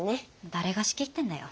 誰が仕切ってんだよ。